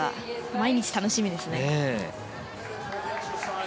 毎日、楽しみですね。